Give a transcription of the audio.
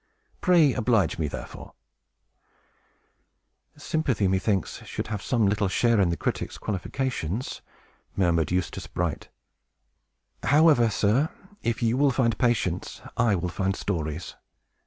Pray oblige me, therefore." "Sympathy, methinks, should have some little share in the critic's qualifications," murmured Eustace Bright. "However, sir, if you will find patience, I will find stories.